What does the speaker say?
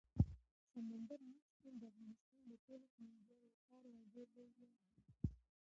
سمندر نه شتون د افغانستان د ټولو هیوادوالو لپاره یو ډېر لوی ویاړ دی.